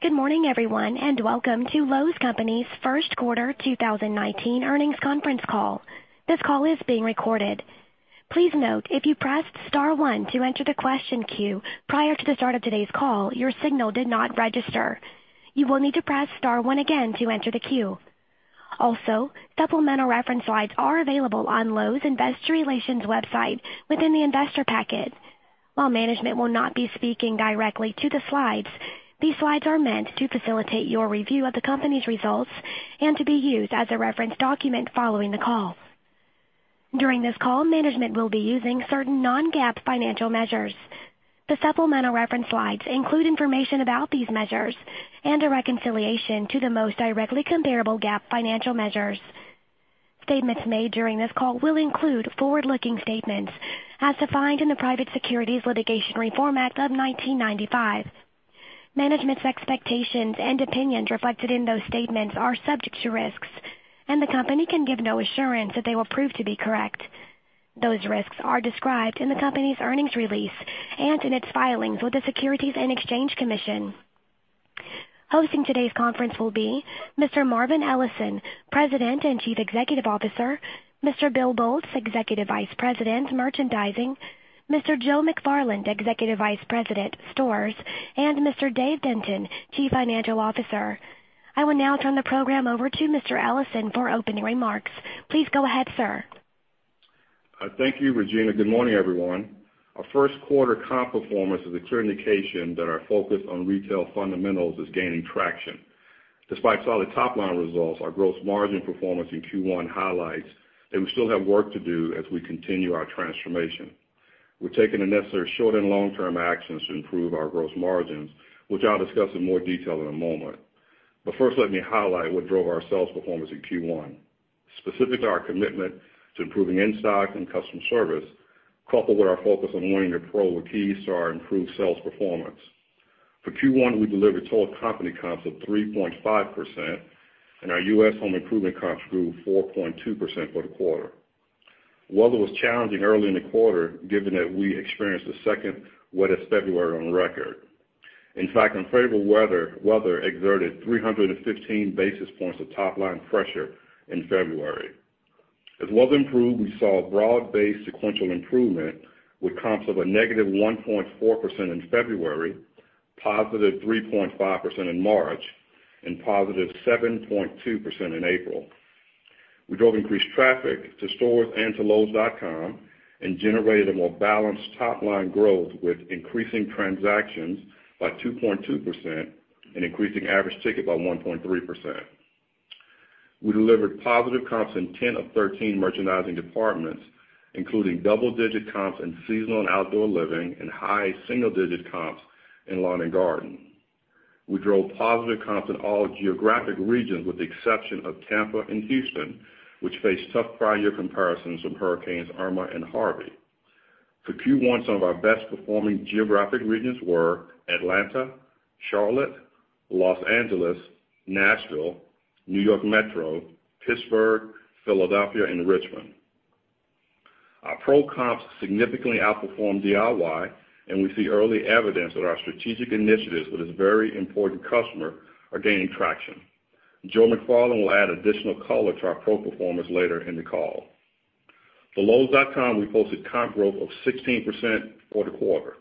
Good morning, everyone, and welcome to Lowe's Companies' First Quarter 2019 Earnings Conference Call. This call is being recorded. Please note, if you pressed star one to enter the question queue prior to the start of today's call, your signal did not register. You will need to press star one again to enter the queue. Also, supplemental reference slides are available on Lowe's Investor Relations website within the investor packet. While management will not be speaking directly to the slides, these slides are meant to facilitate your review of the company's results and to be used as a reference document following the call. During this call, management will be using certain non-GAAP financial measures. The supplemental reference slides include information about these measures and a reconciliation to the most directly comparable GAAP financial measures. Statements made during this call will include forward-looking statements as defined in the Private Securities Litigation Reform Act of 1995. Management's expectations and opinions reflected in those statements are subject to risks, and the company can give no assurance that they will prove to be correct. Those risks are described in the company's earnings release and in its filings with the Securities and Exchange Commission. Hosting today's conference will be Mr. Marvin Ellison, President and Chief Executive Officer, Mr. Bill Boltz, Executive Vice President, Merchandising, Mr. Joe McFarland, Executive Vice President, Stores, and Mr. Dave Denton, Chief Financial Officer. I will now turn the program over to Mr. Ellison for opening remarks. Please go ahead, sir. Thank you, Regina. Good morning, everyone. Our first quarter comp performance is a clear indication that our focus on retail fundamentals is gaining traction. Despite solid top-line results, our gross margin performance in Q1 highlights that we still have work to do as we continue our transformation. We're taking the necessary short- and long-term actions to improve our gross margins, which I'll discuss in more detail in a moment. But first, let me highlight what drove our sales performance in Q1. Specific to our commitment to improving in-stock and customer service, coupled with our focus on winning at Pro were keys to our improved sales performance. For Q1, we delivered total company comps of 3.5% and our U.S. home improvement comps grew 4.2% for the quarter. Weather was challenging early in the quarter given that we experienced the second wettest February on record. In fact, unfavorable weather exerted 315 basis points of top-line pressure in February. As weather improved, we saw a broad-based sequential improvement with comps of a negative 1.4% in February, positive 3.5% in March, and positive 7.2% in April. We drove increased traffic to stores and to lowes.com and generated a more balanced top-line growth with increasing transactions by 2.2% and increasing average ticket by 1.3%. We delivered positive comps in 10 of 13 merchandising departments, including double-digit comps in seasonal and outdoor living and high single-digit comps in lawn and garden. We drove positive comps in all geographic regions with the exception of Tampa and Houston, which faced tough prior year comparisons from hurricanes Irma and Harvey. For Q1, some of our best performing geographic regions were Atlanta, Charlotte, Los Angeles, Nashville, New York Metro, Pittsburgh, Philadelphia, and Richmond. Our Pro comps significantly outperformed DIY, and we see early evidence that our strategic initiatives with this very important customer are gaining traction. Joe McFarland will add additional color to our Pro performance later in the call. For lowes.com, we posted comp growth of 16% for the quarter.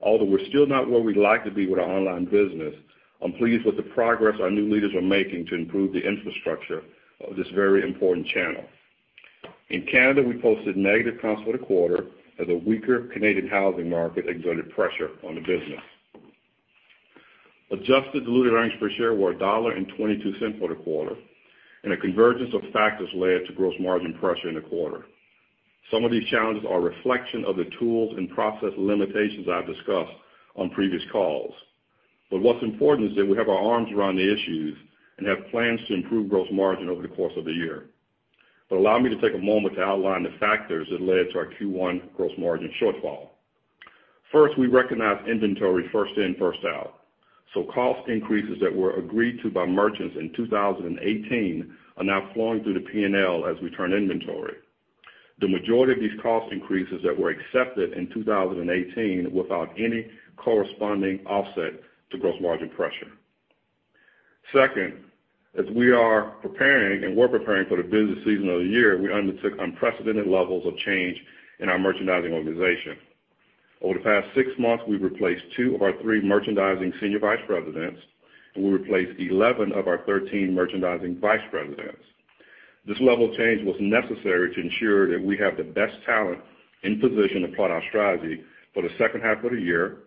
Although we're still not where we'd like to be with our online business, I'm pleased with the progress our new leaders are making to improve the infrastructure of this very important channel. In Canada, we posted negative comps for the quarter as a weaker Canadian housing market exerted pressure on the business. Adjusted diluted earnings per share were $1.22 for the quarter, a convergence of factors led to gross margin pressure in the quarter. Some of these challenges are a reflection of the tools and process limitations I've discussed on previous calls. What's important is that we have our arms around the issues and have plans to improve gross margin over the course of the year. Allow me to take a moment to outline the factors that led to our Q1 gross margin shortfall. First, we recognized inventory first in, first out. Cost increases that were agreed to by merchants in 2018 are now flowing through the P&L as we turn inventory. The majority of these cost increases that were accepted in 2018 without any corresponding offset to gross margin pressure. Second, as we are preparing for the busiest season of the year, we undertook unprecedented levels of change in our merchandising organization. Over the past six months, we've replaced two of our three merchandising senior vice presidents, and we replaced 11 of our 13 merchandising vice presidents. This level of change was necessary to ensure that we have the best talent in position to plot our strategy for the second half of the year,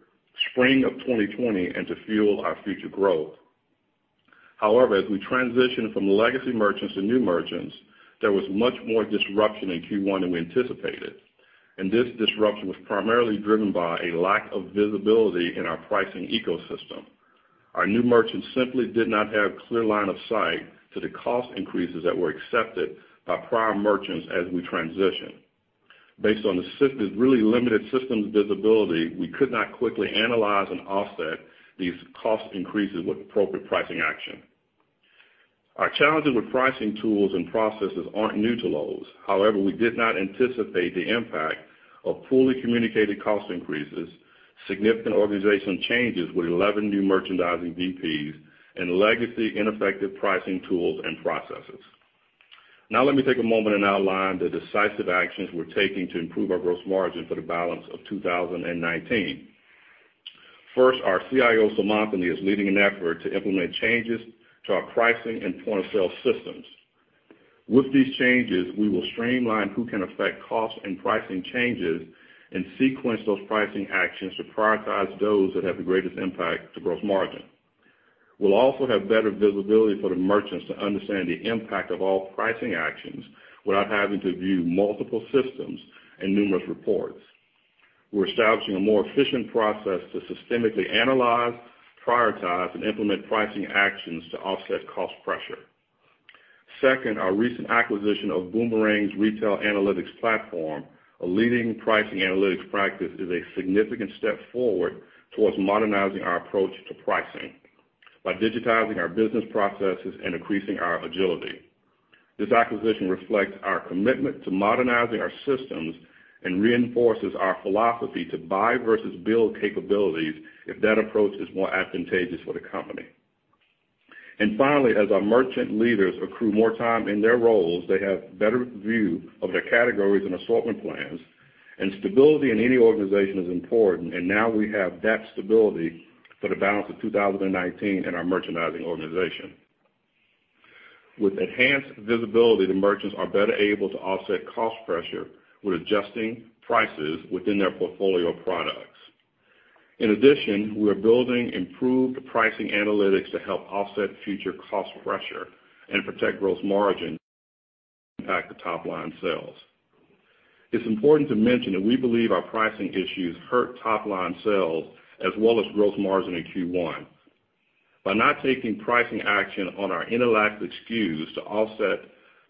spring of 2020, and to fuel our future growth. However, as we transition from legacy merchants to new merchants, there was much more disruption in Q1 than we anticipated, and this disruption was primarily driven by a lack of visibility in our pricing ecosystem. Our new merchants simply did not have clear line of sight to the cost increases that were accepted by prior merchants as we transitioned. Based on the really limited systems visibility, we could not quickly analyze and offset these cost increases with appropriate pricing action. Our challenges with pricing tools and processes aren't new to Lowe's. However, we did not anticipate the impact of fully communicated cost increases, significant organizational changes with 11 new merchandising VPs, and legacy ineffective pricing tools and processes. Now, let me take a moment and outline the decisive actions we're taking to improve our gross margin for the balance of 2019. First, our CIO, Seemantini, is leading an effort to implement changes to our pricing and point-of-sale systems. With these changes, we will streamline who can affect cost and pricing changes and sequence those pricing actions to prioritize those that have the greatest impact to gross margin. We'll also have better visibility for the merchants to understand the impact of all pricing actions without having to view multiple systems and numerous reports. We're establishing a more efficient process to systemically analyze, prioritize, and implement pricing actions to offset cost pressure. Second, our recent acquisition of Boomerang's Retail Analytics platform, a leading pricing analytics practice, is a significant step forward towards modernizing our approach to pricing by digitizing our business processes and increasing our agility. This acquisition reflects our commitment to modernizing our systems and reinforces our philosophy to buy versus build capabilities if that approach is more advantageous for the company. Finally, as our merchant leaders accrue more time in their roles, they have a better view of their categories and assortment plans. Stability in any organization is important, and now we have that stability for the balance of 2019 in our merchandising organization. With enhanced visibility, the merchants are better able to offset cost pressure with adjusting prices within their portfolio of products. In addition, we are building improved pricing analytics to help offset future cost pressure and protect gross margin, impact the top-line sales. It's important to mention that we believe our pricing issues hurt top-line sales as well as gross margin in Q1. By not taking pricing action on our inelastic SKUs to offset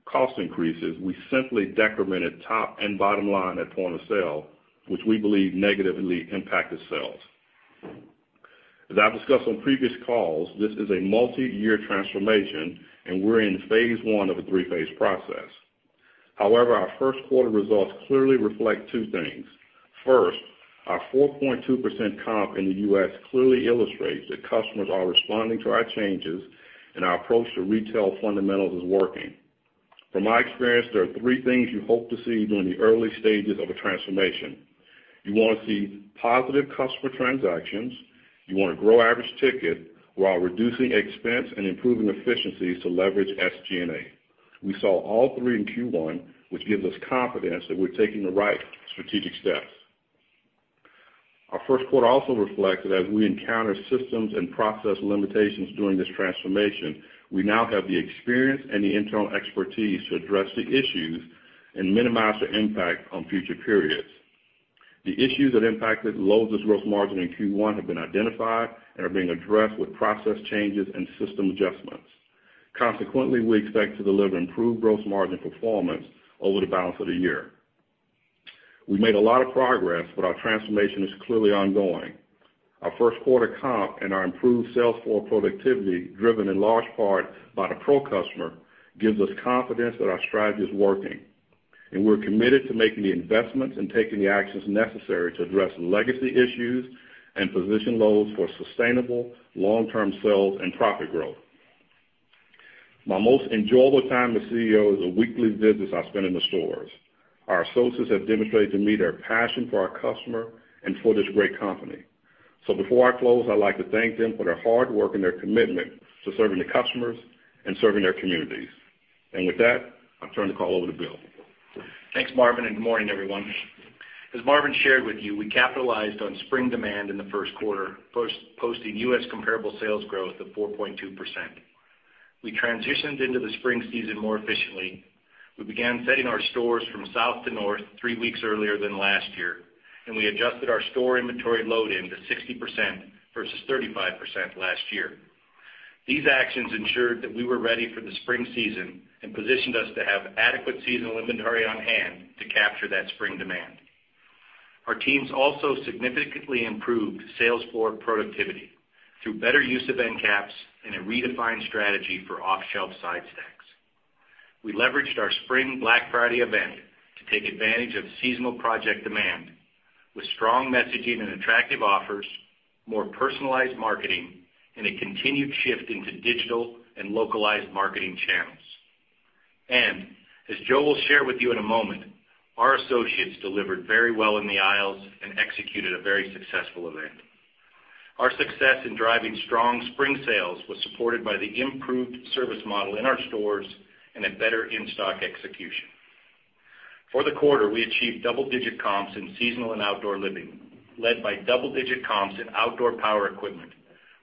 cost increases, we simply decremented top and bottom line at point of sale, which we believe negatively impacted sales. As I've discussed on previous calls, this is a multi-year transformation, and we're in phase 1 of a three-phase process. However, our first quarter results clearly reflect two things. First, our 4.2% comp in the U.S. clearly illustrates that customers are responding to our changes and our approach to retail fundamentals is working. From my experience, there are three things you hope to see during the early stages of a transformation. You want to see positive customer transactions, you want to grow average ticket while reducing expense and improving efficiencies to leverage SG&A. We saw all three in Q1, which gives us confidence that we're taking the right strategic steps. Our first quarter also reflects that as we encounter systems and process limitations during this transformation, we now have the experience and the internal expertise to address the issues and minimize the impact on future periods. The issues that impacted Lowe's' gross margin in Q1 have been identified and are being addressed with process changes and system adjustments. Consequently, we expect to deliver improved gross margin performance over the balance of the year. We made a lot of progress, our transformation is clearly ongoing. Our first quarter comp and our improved sales force productivity, driven in large part by the pro customer, gives us confidence that our strategy is working. We're committed to making the investments and taking the actions necessary to address legacy issues and position Lowe's for sustainable long-term sales and profit growth. My most enjoyable time as CEO is the weekly visits I spend in the stores. Our associates have demonstrated to me their passion for our customer and for this great company. Before I close, I'd like to thank them for their hard work and their commitment to serving the customers and serving their communities. With that, I'll turn the call over to Bill. Thanks, Marvin, and good morning, everyone. As Marvin shared with you, we capitalized on spring demand in the first quarter, posting U.S. comparable sales growth of 4.2%. We transitioned into the spring season more efficiently. We began setting our stores from south to north three weeks earlier than last year. We adjusted our store inventory load-in to 60% versus 35% last year. These actions ensured that we were ready for the spring season and positioned us to have adequate seasonal inventory on hand to capture that spring demand. Our teams also significantly improved sales floor productivity through better use of end caps and a redefined strategy for off-shelf side stacks. We leveraged our Spring Black Friday event to take advantage of seasonal project demand with strong messaging and attractive offers, more personalized marketing, and a continued shift into digital and localized marketing channels. As Joe will share with you in a moment, our associates delivered very well in the aisles and executed a very successful event. Our success in driving strong spring sales was supported by the improved service model in our stores and a better in-stock execution. For the quarter, we achieved double-digit comps in seasonal and outdoor living, led by double-digit comps in outdoor power equipment,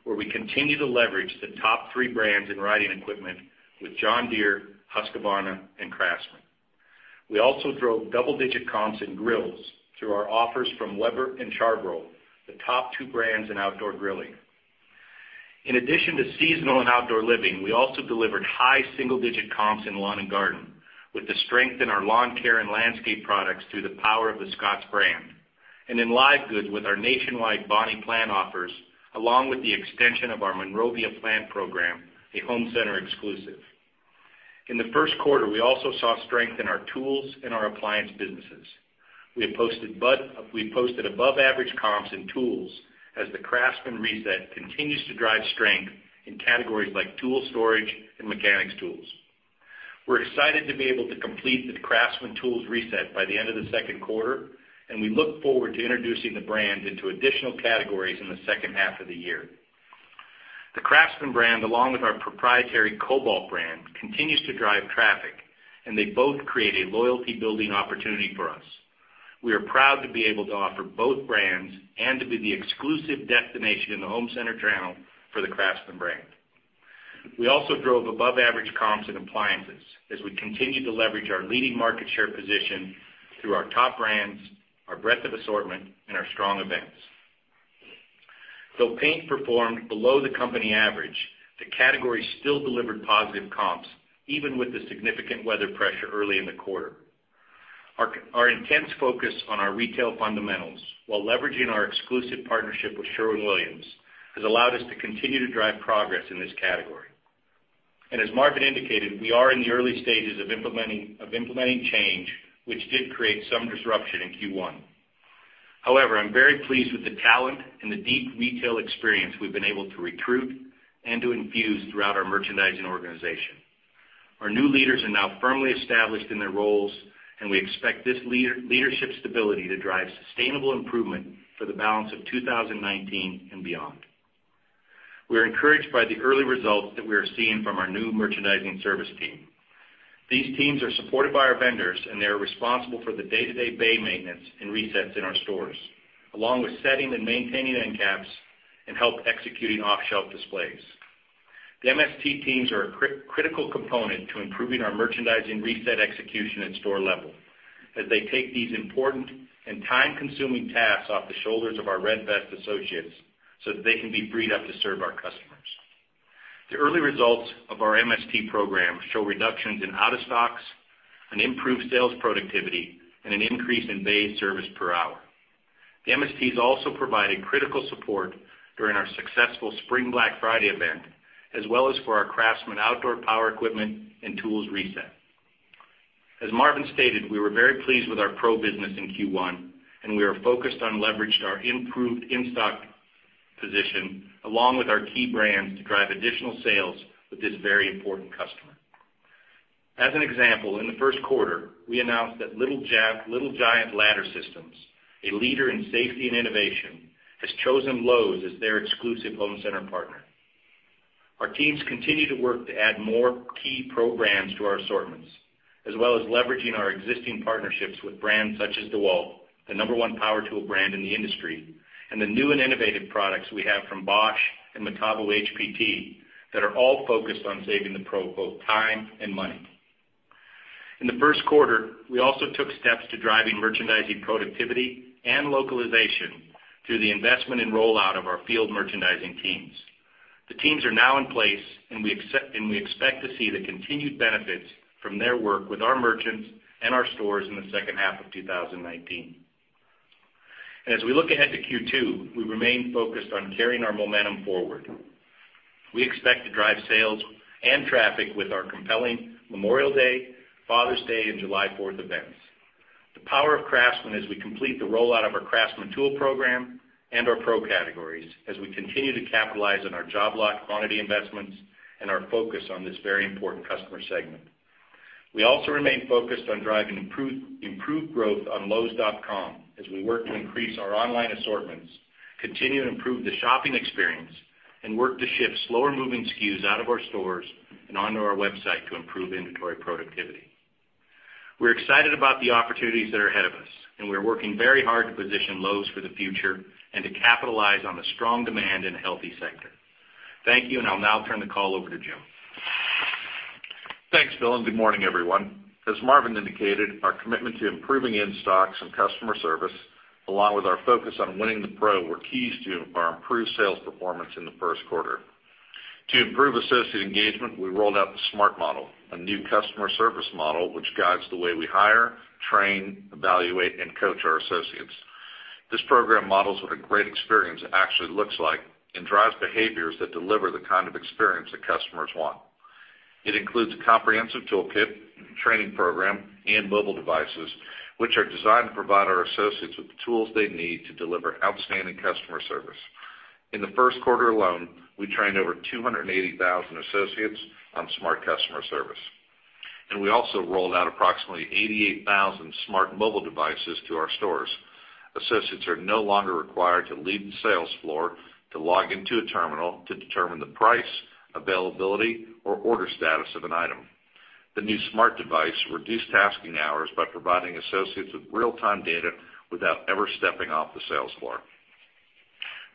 where we continue to leverage the top three brands in riding equipment with John Deere, Husqvarna, and Craftsman. We also drove double-digit comps in grills through our offers from Weber and Char-Broil, the top two brands in outdoor grilling. In addition to seasonal and outdoor living, we also delivered high single-digit comps in lawn and garden with the strength in our lawn care and landscape products through the power of the Scotts brand. In live goods with our nationwide Bonnie Plants offers, along with the extension of our Monrovia plant program, a home center exclusive. In the first quarter, we also saw strength in our tools and our appliance businesses. We posted above average comps in tools as the Craftsman reset continues to drive strength in categories like tool storage and mechanics tools. We're excited to be able to complete the Craftsman tools reset by the end of the second quarter, and we look forward to introducing the brand into additional categories in the second half of the year. The Craftsman brand, along with our proprietary Kobalt brand, continues to drive traffic, and they both create a loyalty building opportunity for us. We are proud to be able to offer both brands and to be the exclusive destination in the home center channel for the Craftsman brand. We also drove above-average comps in appliances as we continue to leverage our leading market share position through our top brands, our breadth of assortment, and our strong events. Though paint performed below the company average, the category still delivered positive comps, even with the significant weather pressure early in the quarter. Our intense focus on our retail fundamentals, while leveraging our exclusive partnership with Sherwin-Williams, has allowed us to continue to drive progress in this category. As Marvin indicated, we are in the early stages of implementing change, which did create some disruption in Q1. However, I'm very pleased with the talent and the deep retail experience we've been able to recruit and to infuse throughout our merchandising organization. Our new leaders are now firmly established in their roles, and we expect this leadership stability to drive sustainable improvement for the balance of 2019 and beyond. We are encouraged by the early results that we are seeing from our new merchandising service team. These teams are supported by our vendors, and they are responsible for the day-to-day bay maintenance and resets in our stores, along with setting and maintaining end caps and help executing off-shelf displays. The MST teams are a critical component to improving our merchandising reset execution at store level, as they take these important and time-consuming tasks off the shoulders of our red vest associates so that they can be freed up to serve our customers. The early results of our MST program show reductions in out-of-stocks, an improved sales productivity, and an increase in bay service per hour. The MST has also provided critical support during our successful Spring Black Friday event, as well as for our Craftsman outdoor power equipment and tools reset. As Marvin stated, we were very pleased with our pro business in Q1, and we are focused on leveraging our improved in-stock position along with our key brands to drive additional sales with this very important customer. As an example, in the first quarter, we announced that Little Giant Ladder Systems, a leader in safety and innovation, has chosen Lowe's as their exclusive home center partner. Our teams continue to work to add more key programs to our assortments, as well as leveraging our existing partnerships with brands such as DEWALT, the number one power tool brand in the industry, and the new and innovative products we have from Bosch and Metabo HPT that are all focused on saving the pro both time and money. In the first quarter, we also took steps to driving merchandising productivity and localization through the investment and rollout of our field merchandising teams. The teams are now in place, and we expect to see the continued benefits from their work with our merchants and our stores in the second half of 2019. As we look ahead to Q2, we remain focused on carrying our momentum forward. We expect to drive sales and traffic with our compelling Memorial Day, Father's Day, and July 4th events. The power of Craftsman as we complete the rollout of our Craftsman tool program and our pro categories as we continue to capitalize on our Job Lot quantity investments and our focus on this very important customer segment. We also remain focused on driving improved growth on lowes.com as we work to increase our online assortments, continue to improve the shopping experience, and work to ship slower moving SKUs out of our stores and onto our website to improve inventory productivity. We're excited about the opportunities that are ahead of us, and we're working very hard to position Lowe's for the future and to capitalize on the strong demand in a healthy sector. Thank you, and I'll now turn the call over to Joe. Thanks, Bill, good morning, everyone. As Marvin indicated, our commitment to improving in-stocks and customer service, along with our focus on winning the Pro, were keys to our improved sales performance in the first quarter. To improve associate engagement, we rolled out the SMART model, a new customer service model which guides the way we hire, train, evaluate, and coach our associates. This program models what a great experience actually looks like and drives behaviors that deliver the kind of experience that customers want. It includes a comprehensive toolkit, training program, and mobile devices, which are designed to provide our associates with the tools they need to deliver outstanding customer service. In the first quarter alone, we trained over 280,000 associates on SMART customer service. We also rolled out approximately 88,000 SMART mobile devices to our stores. Associates are no longer required to leave the sales floor to log into a terminal to determine the price, availability, or order status of an item. The new SMART device reduced tasking hours by providing associates with real-time data without ever stepping off the sales floor.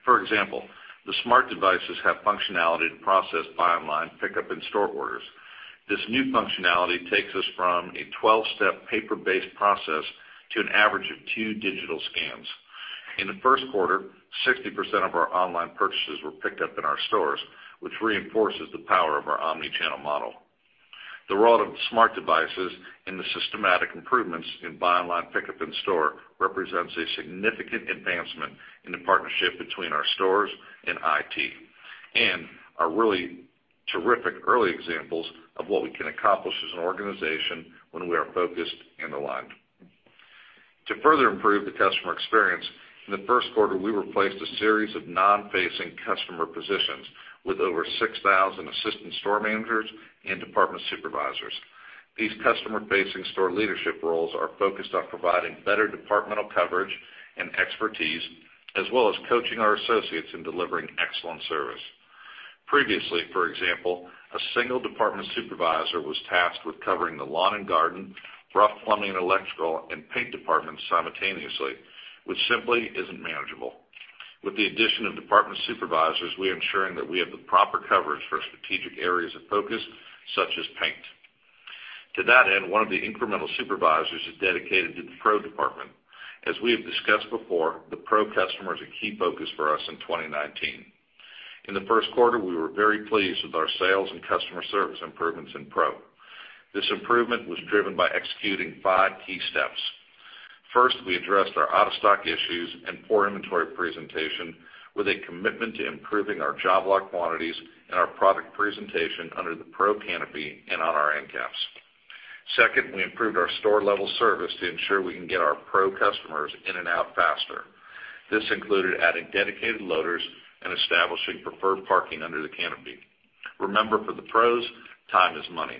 For example, the SMART devices have functionality to process Buy Online, Pick Up In-Store orders. This new functionality takes us from a 12-step paper-based process to an average of two digital scans. In the first quarter, 60% of our online purchases were picked up in our stores, which reinforces the power of our omnichannel model. The role of SMART devices and the systematic improvements in Buy Online, Pick Up In-Store represents a significant advancement in the partnership between our stores and IT, are really terrific early examples of what we can accomplish as an organization when we are focused and aligned. To further improve the customer experience, in the first quarter, we replaced a series of non-facing customer positions with over 6,000 assistant store managers and department supervisors. These customer-facing store leadership roles are focused on providing better departmental coverage and expertise, as well as coaching our associates in delivering excellent service. Previously, for example, a single department supervisor was tasked with covering the lawn and garden, rough plumbing and electrical, and paint departments simultaneously, which simply isn't manageable. With the addition of department supervisors, we are ensuring that we have the proper coverage for strategic areas of focus, such as paint. To that end, one of the incremental supervisors is dedicated to the Pro department. As we have discussed before, the Pro customer is a key focus for us in 2019. In the first quarter, we were very pleased with our sales and customer service improvements in Pro. This improvement was driven by executing five key steps. First, we addressed our out-of-stock issues and poor inventory presentation with a commitment to improving our Job Lot quantities and our product presentation under the Pro canopy and on our end caps. Second, we improved our store-level service to ensure we can get our Pro customers in and out faster. This included adding dedicated loaders and establishing preferred parking under the canopy. Remember, for the Pros, time is money.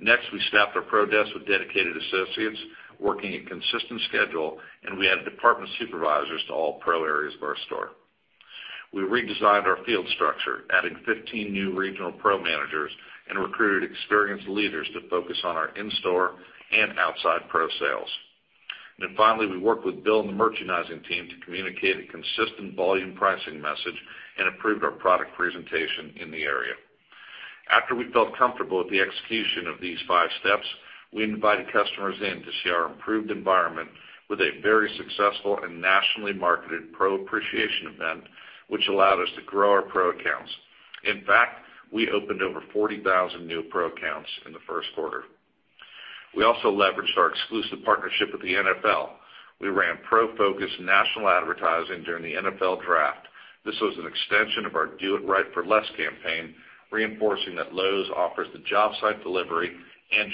Next, we staffed our Pro desk with dedicated associates working a consistent schedule. We added department supervisors to all Pro areas of our store. We redesigned our field structure, adding 15 new regional Pro managers, recruited experienced leaders to focus on our in-store and outside Pro sales. Finally, we worked with Bill and the merchandising team to communicate a consistent volume pricing message and improved our product presentation in the area. After we felt comfortable with the execution of these five steps, we invited customers in to see our improved environment with a very successful and nationally marketed Pro appreciation event, which allowed us to grow our Pro accounts. In fact, we opened over 40,000 new Pro accounts in the first quarter. We also leveraged our exclusive partnership with the NFL. We ran Pro-focused national advertising during the NFL Draft. This was an extension of our Do It Right for Less campaign, reinforcing that Lowe's offers the job site delivery and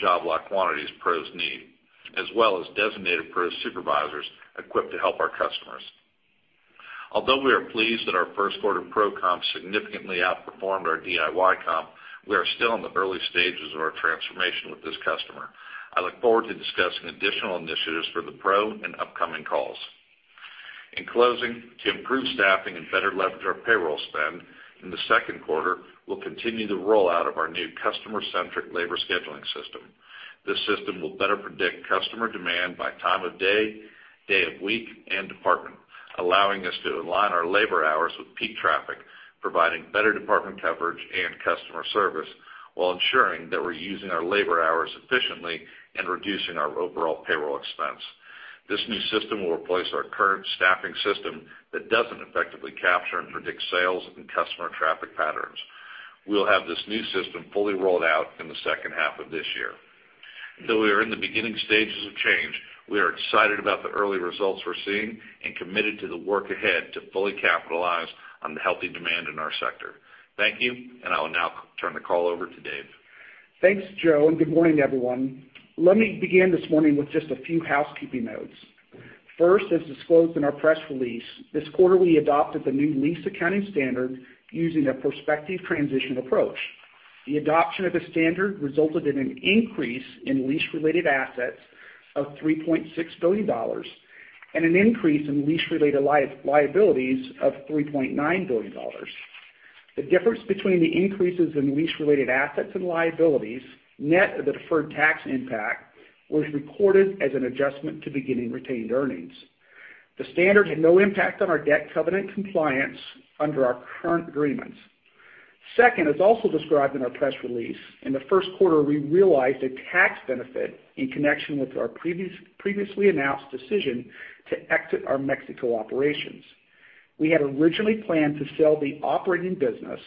Job Lot quantities Pros need, as well as designated Pro supervisors equipped to help our customers. Although we are pleased that our first quarter Pro comp significantly outperformed our DIY comp, we are still in the early stages of our transformation with this customer. I look forward to discussing additional initiatives for the Pro in upcoming calls. In closing, to improve staffing and better leverage our payroll spend, in the second quarter, we'll continue the rollout of our new customer-centric labor scheduling system. This system will better predict customer demand by time of day of week, and department, allowing us to align our labor hours with peak traffic, providing better department coverage and customer service while ensuring that we're using our labor hours efficiently and reducing our overall payroll expense. This new system will replace our current staffing system that doesn't effectively capture and predict sales and customer traffic patterns. We'll have this new system fully rolled out in the second half of this year. Though we are in the beginning stages of change, we are excited about the early results we're seeing and committed to the work ahead to fully capitalize on the healthy demand in our sector. Thank you. I will now turn the call over to Dave. Thanks, Joe. Good morning, everyone. Let me begin this morning with just a few housekeeping notes. First, as disclosed in our press release, this quarter, we adopted the new lease accounting standard using a prospective transition approach. The adoption of the standard resulted in an increase in lease-related assets of $3.6 billion and an increase in lease-related liabilities of $3.9 billion. The difference between the increases in lease-related assets and liabilities, net of the deferred tax impact, was recorded as an adjustment to beginning retained earnings. The standard had no impact on our debt covenant compliance under our current agreements. Second, as also described in our press release, in the first quarter, we realized a tax benefit in connection with our previously announced decision to exit our Mexico operations. We had originally planned to sell the operating business.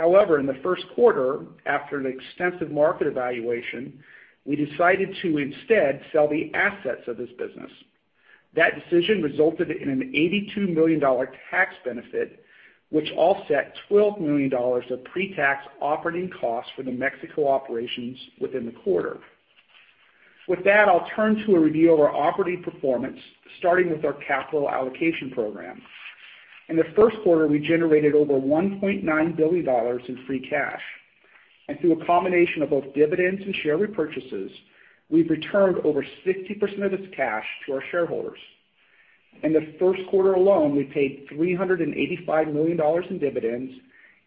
In the first quarter, after an extensive market evaluation, we decided to instead sell the assets of this business. That decision resulted in an $82 million tax benefit, which offset $12 million of pre-tax operating costs for the Mexico operations within the quarter. With that, I'll turn to a review of our operating performance, starting with our capital allocation program. In the first quarter, we generated over $1.9 billion in free cash. Through a combination of both dividends and share repurchases, we've returned over 60% of this cash to our shareholders. In the first quarter alone, we paid $385 million in dividends,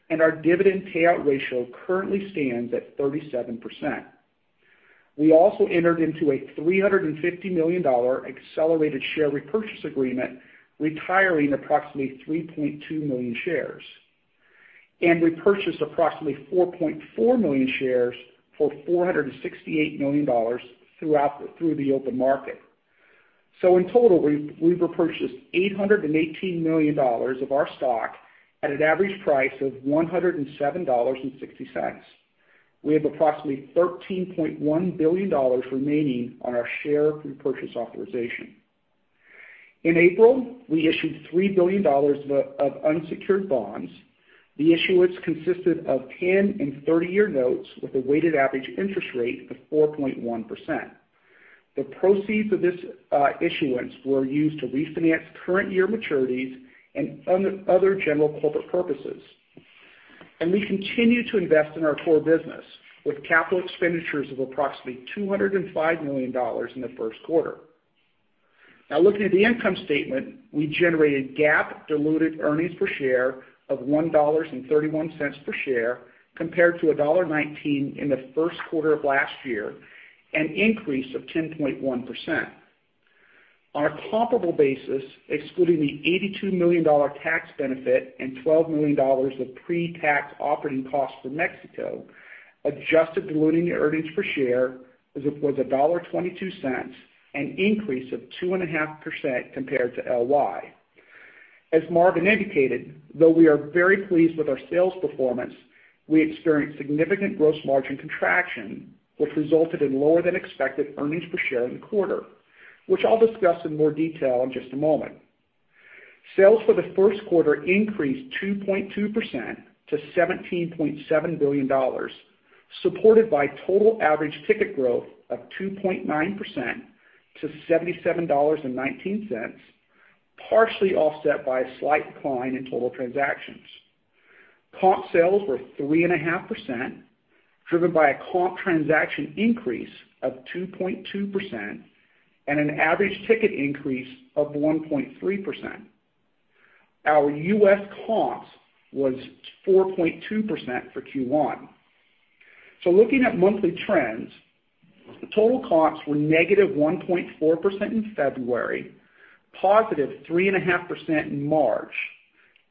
and our dividend payout ratio currently stands at 37%. We also entered into a $350 million accelerated share repurchase agreement, retiring approximately 3.2 million shares. We purchased approximately 4.4 million shares for $468 million through the open market. In total, we've repurchased $818 million of our stock at an average price of $107.60. We have approximately $13.1 billion remaining on our share repurchase authorization. In April, we issued $3 billion of unsecured bonds. The issuance consisted of 10 and 30-year notes with a weighted average interest rate of 4.1%. The proceeds of this issuance were used to refinance current year maturities and other general corporate purposes. We continue to invest in our core business with capital expenditures of approximately $205 million in the first quarter. Looking at the income statement, we generated GAAP diluted earnings per share of $1.31 per share, compared to $1.19 in the first quarter of last year, an increase of 10.1%. On a comparable basis, excluding the $82 million tax benefit and $12 million of pre-tax operating costs for Mexico, adjusted diluted earnings per share was $1.22, an increase of 2.5% compared to LY. As Marvin indicated, though we are very pleased with our sales performance, we experienced significant gross margin contraction, which resulted in lower than expected earnings per share in the quarter, which I'll discuss in more detail in just a moment. Sales for the first quarter increased 2.2% to $17.7 billion, supported by total average ticket growth of 2.9% to $77.19, partially offset by a slight decline in total transactions. Comp sales were 3.5%, driven by a comp transaction increase of 2.2% and an average ticket increase of 1.3%. Our U.S. comps was 4.2% for Q1. Looking at monthly trends, the total comps were -1.4% in February, positive 3.5% in March,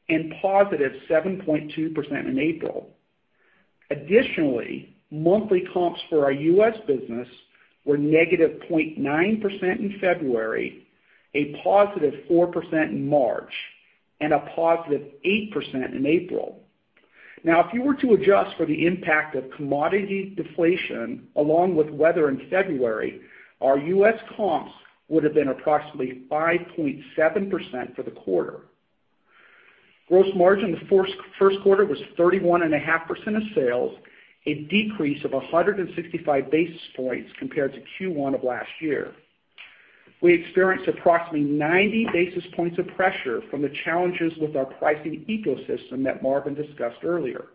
and positive 7.2% in April. Additionally, monthly comps for our U.S. business were -0.9% in February, a positive 4% in March, and a positive 8% in April. If you were to adjust for the impact of commodity deflation along with weather in February, our U.S. comps would have been approximately 5.7% for the quarter. Gross margin the first quarter was 31.5% of sales, a decrease of 165 basis points compared to Q1 of last year. We experienced approximately 90 basis points of pressure from the challenges with our pricing ecosystem that Marvin discussed earlier.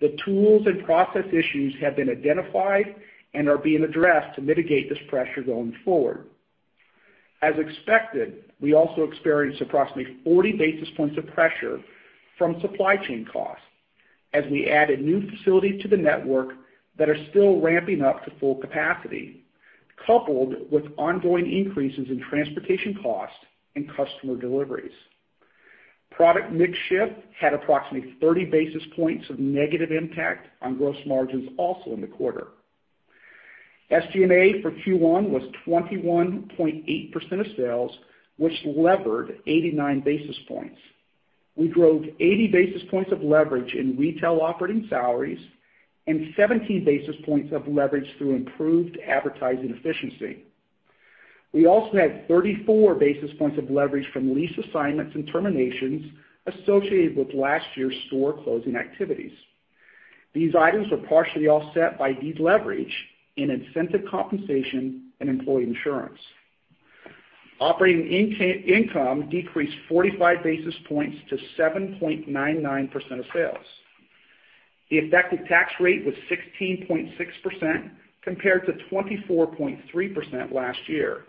The tools and process issues have been identified and are being addressed to mitigate this pressure going forward. As expected, we also experienced approximately 40 basis points of pressure from supply chain costs as we added new facilities to the network that are still ramping up to full capacity, coupled with ongoing increases in transportation costs and customer deliveries. Product mix shift had approximately 30 basis points of negative impact on gross margins also in the quarter. SG&A for Q1 was 21.8% of sales, which levered 89 basis points. We drove 80 basis points of leverage in retail operating salaries and 17 basis points of leverage through improved advertising efficiency. We also had 34 basis points of leverage from lease assignments and terminations associated with last year's store closing activities. These items were partially offset by deleverage in incentive compensation and employee insurance. Operating income decreased 45 basis points to 7.99% of sales. The effective tax rate was 16.6% compared to 24.3% last year.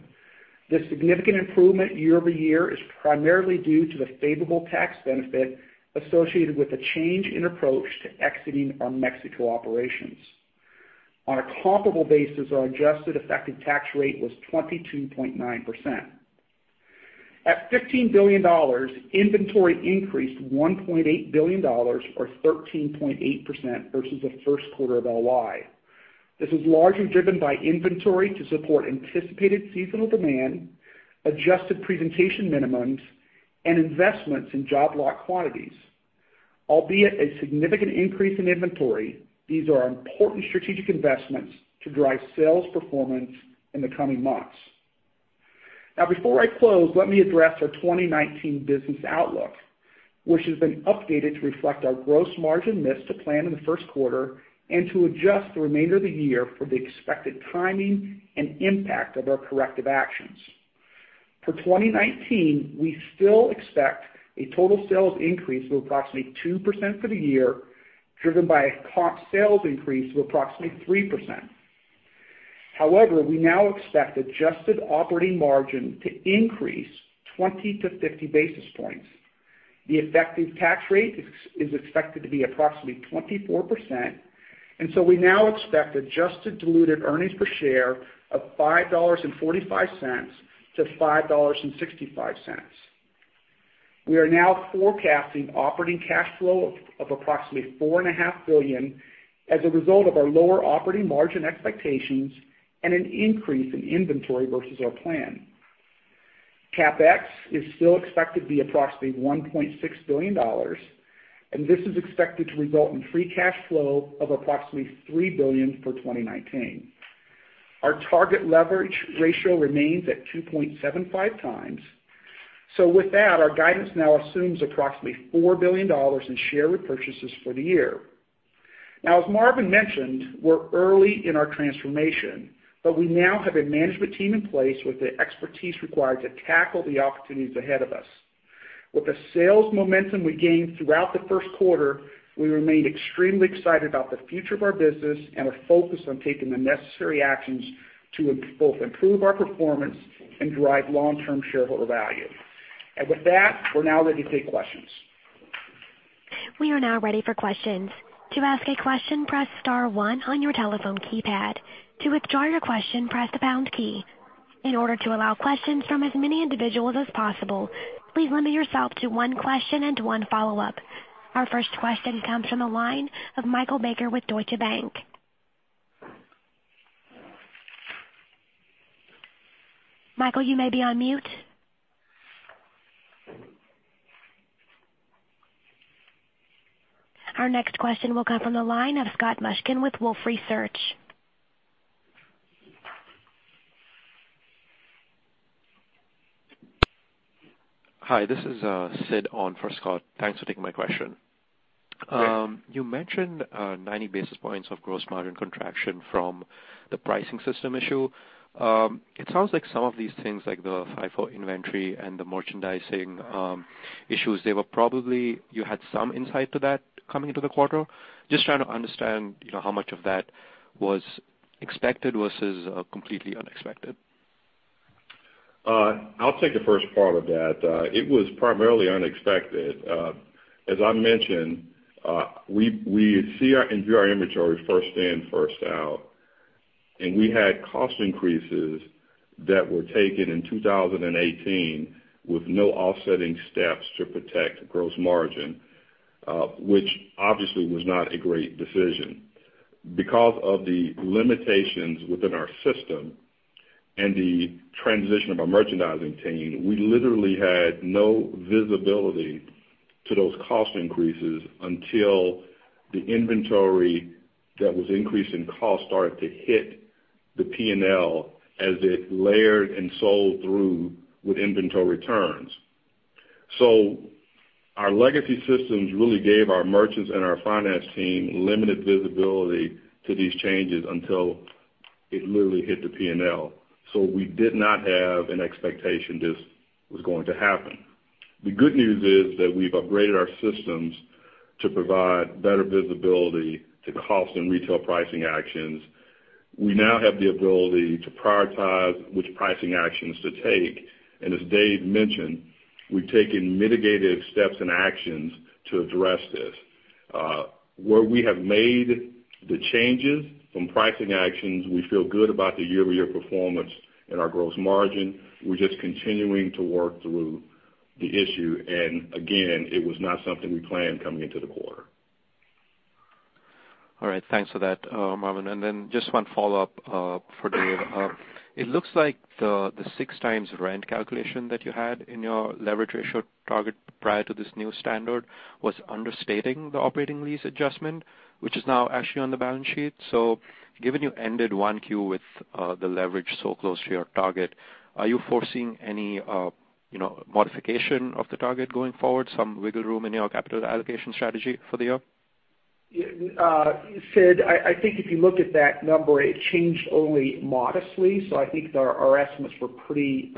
This significant improvement year-over-year is primarily due to the favorable tax benefit associated with the change in approach to exiting our Mexico operations. On a comparable basis, our adjusted effective tax rate was 22.9%. At $15 billion, inventory increased $1.8 billion or 13.8% versus the first quarter of LY. This is largely driven by inventory to support anticipated seasonal demand, adjusted presentation minimums, and investments in Job Lot quantities. Albeit a significant increase in inventory, these are important strategic investments to drive sales performance in the coming months. Before I close, let me address our 2019 business outlook, which has been updated to reflect our gross margin miss to plan in the first quarter and to adjust the remainder of the year for the expected timing and impact of our corrective actions. For 2019, we still expect a total sales increase of approximately 2% for the year, driven by a comp sales increase of approximately 3%. We now expect adjusted operating margin to increase 20-50 basis points. The effective tax rate is expected to be approximately 24%. We now expect adjusted diluted earnings per share of $5.45-$5.65. We are now forecasting operating cash flow of approximately $4.5 billion as a result of our lower operating margin expectations and an increase in inventory versus our plan. CapEx is still expected to be approximately $1.6 billion, and this is expected to result in free cash flow of approximately $3 billion for 2019. Our target leverage ratio remains at 2.75 times. With that, our guidance now assumes approximately $4 billion in share repurchases for the year. As Marvin mentioned, we're early in our transformation. We now have a management team in place with the expertise required to tackle the opportunities ahead of us. With the sales momentum we gained throughout the first quarter, we remain extremely excited about the future of our business and are focused on taking the necessary actions to both improve our performance and drive long-term shareholder value. With that, we're now ready to take questions. We are now ready for questions. To ask a question, press star one on your telephone keypad. To withdraw your question, press the pound key. In order to allow questions from as many individuals as possible, please limit yourself to one question and one follow-up. Our first question comes from the line of Michael Baker with Deutsche Bank. Michael, you may be on mute. Our next question will come from the line of Scott Mushkin with Wolfe Research. Hi, this is Sid on for Scott. Thanks for taking my question. Great. You mentioned 90 basis points of gross margin contraction from the pricing system issue. It sounds like some of these things like the FIFO inventory and the merchandising issues, you had some insight to that coming into the quarter. Just trying to understand how much of that was expected versus completely unexpected. I'll take the first part of that. It was primarily unexpected. As I mentioned, we view our inventories first in, first out. We had cost increases that were taken in 2018 with no offsetting steps to protect gross margin, which obviously was not a great decision. Because of the limitations within our system and the transition of our merchandising team, we literally had no visibility to those cost increases until the inventory that was increased in cost started to hit the P&L as it layered and sold through with inventory returns. Our legacy systems really gave our merchants and our finance team limited visibility to these changes until it literally hit the P&L. We did not have an expectation this was going to happen. The good news is that we've upgraded our systems to provide better visibility to cost and retail pricing actions. We now have the ability to prioritize which pricing actions to take. As Dave mentioned, we've taken mitigative steps and actions to address this. Where we have made the changes from pricing actions, we feel good about the year-over-year performance and our gross margin. We're just continuing to work through the issue. Again, it was not something we planned coming into the quarter. All right. Thanks for that, Marvin. Then just one follow-up for Dave. It looks like the 6x rent calculation that you had in your leverage ratio target prior to this new standard was understating the operating lease adjustment, which is now actually on the balance sheet. Given you ended one Q with the leverage so close to your target, are you foreseeing any modification of the target going forward, some wiggle room in your capital allocation strategy for the year? Sid, I think if you look at that number, it changed only modestly. I think our estimates were pretty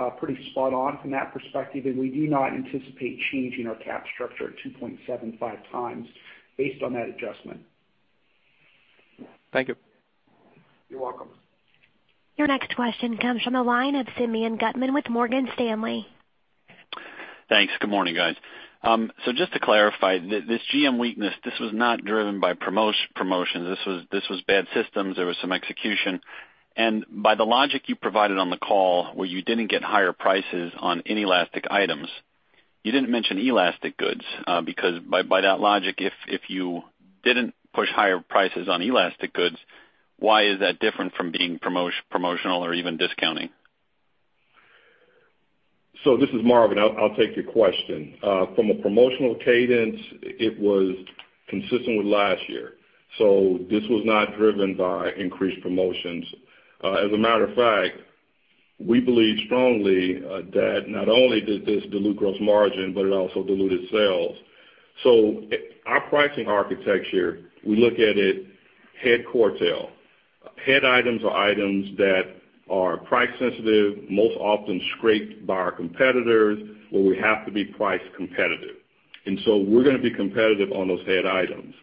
spot on from that perspective, and we do not anticipate changing our Cap structure at 2.75x based on that adjustment. Thank you. You're welcome. Your next question comes from the line of Simeon Gutman with Morgan Stanley. Thanks. Good morning, guys. Just to clarify, this GM weakness, this was not driven by promotions. This was bad systems. There was some execution. By the logic you provided on the call where you didn't get higher prices on inelastic items, you didn't mention elastic goods, because by that logic, if you didn't push higher prices on elastic goods, why is that different from being promotional or even discounting? This is Marvin. I'll take your question. From a promotional cadence, it was consistent with last year. This was not driven by increased promotions. As a matter of fact, we believe strongly that not only did this dilute gross margin, but it also diluted sales. Our pricing architecture, we look at it head, core, tail. Head items are items that are price sensitive, most often scraped by our competitors, where we have to be price competitive. We're going to be competitive on those head items.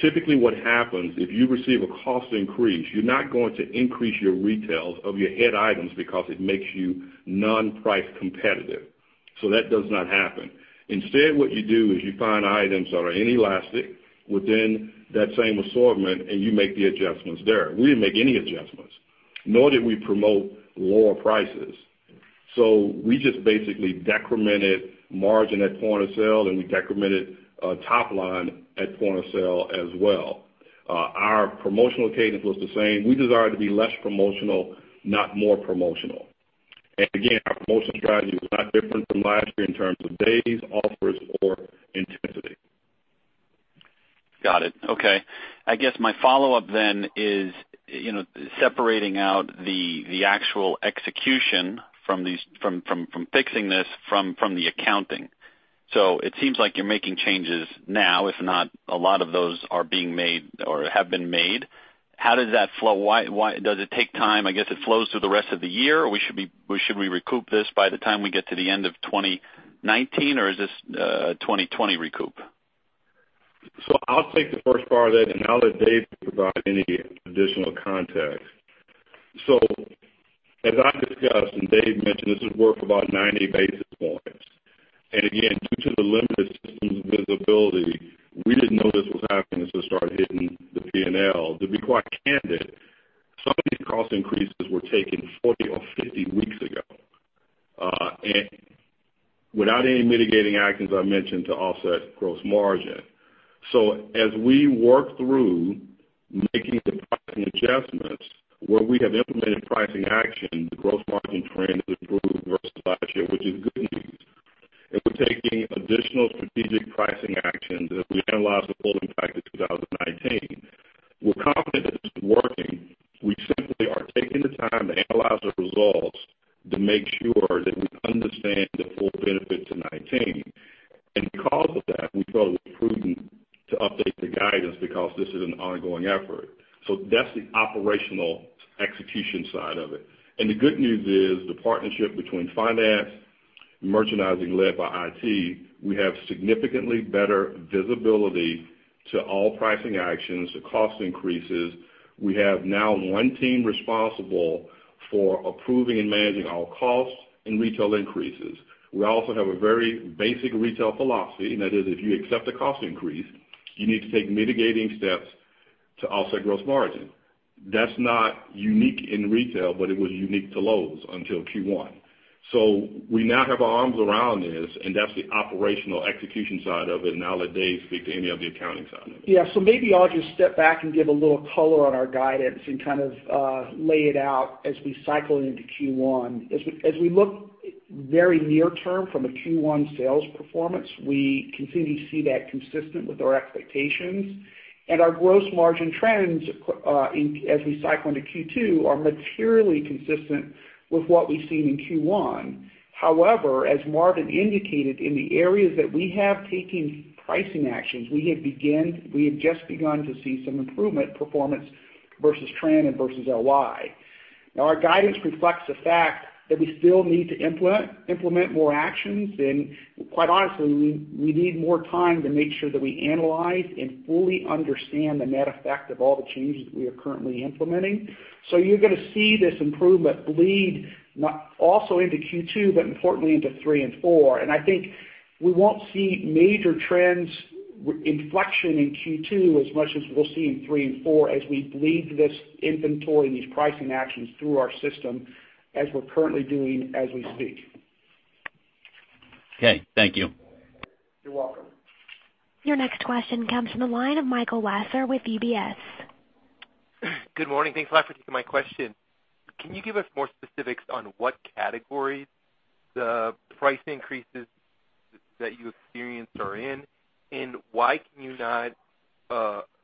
Typically, what happens if you receive a cost increase, you're not going to increase your retails of your head items because it makes you non-price competitive. That does not happen. Instead, what you do is you find items that are inelastic within that same assortment, and you make the adjustments there. We didn't make any adjustments. Nor did we promote lower prices. We just basically decremented margin at point of sale, and we decremented top line at point of sale as well. Our promotional cadence was the same. We desired to be less promotional, not more promotional. Again, our promotional strategy was not different from last year in terms of days, offers, or intensity. Got it. Okay. My follow-up then is, separating out the actual execution from fixing this from the accounting. It seems like you're making changes now, if not a lot of those are being made or have been made. Does it take time? It flows through the rest of the year, or should we recoup this by the time we get to the end of 2019, or is this a 2020 recoup? I'll take the first part of that, and I'll let Dave provide any additional context. As I discussed, and Dave mentioned, this is worth about 90 basis points. Again, due to the limited systems visibility, we didn't know this was happening as it started hitting the P&L. To be quite candid, some of these cost increases were taken 40 or 50 weeks ago, without any mitigating actions I mentioned to offset gross margin. As we work through making the pricing adjustments, where we have implemented pricing action, the gross margin trend has improved versus last year, which is good news. We're taking additional strategic pricing actions as we analyze the full impact of 2019. We're confident it's working. We simply are taking the time to analyze the results to make sure that we understand the full benefit to 2019. Because of that, we felt it was prudent to update the guidance because this is an ongoing effort. That's the operational execution side of it. The good news is the partnership between finance and merchandising led by IT, we have significantly better visibility to all pricing actions, to cost increases. We have now one team responsible for approving and managing all costs and retail increases. We also have a very basic retail philosophy, and that is if you accept a cost increase, you need to take mitigating steps to offset gross margin. That's not unique in retail, but it was unique to Lowe's until Q1. We now have our arms around this, and that's the operational execution side of it, and I'll let Dave speak to any of the accounting side of it. Yeah. Maybe I'll just step back and give a little color on our guidance and kind of lay it out as we cycle into Q1. As we look very near term from a Q1 sales performance, we continue to see that consistent with our expectations. Our gross margin trends, as we cycle into Q2, are materially consistent with what we've seen in Q1. However, as Marvin indicated, in the areas that we have taken pricing actions, we have just begun to see some improvement performance versus trend and versus LY. Our guidance reflects the fact that we still need to implement more actions and quite honestly, we need more time to make sure that we analyze and fully understand the net effect of all the changes that we are currently implementing. You're going to see this improvement bleed not also into Q2, but importantly into three and four. I think we won't see major trends inflection in Q2 as much as we'll see in three and four as we bleed this inventory and these pricing actions through our system as we're currently doing as we speak. Okay. Thank you. You're welcome. Your next question comes from the line of Michael Lasser with UBS. Good morning. Thanks a lot for taking my question. Can you give us more specifics on what categories the price increases that you experienced are in? Why can you not